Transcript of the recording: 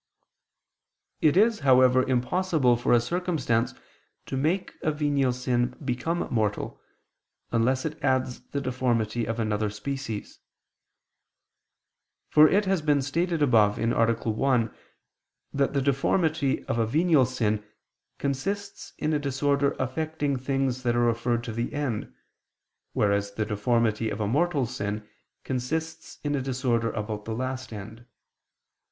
It is, however, impossible for a circumstance to make a venial sin become mortal, unless it adds the deformity of another species. For it has been stated above (A. 1) that the deformity of a venial sin consists in a disorder affecting things that are referred to the end, whereas the deformity of a mortal sin consists in a disorder about the last end.